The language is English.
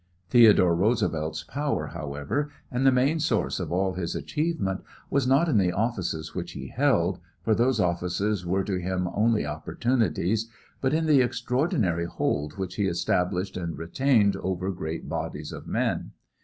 Theodore Roosevelt's power, however, and the main source of all his achievement, was not in the offices which he held, for those offices were to him only opportunities, but in the extraordinary hold which he established and retained over great bodies of men.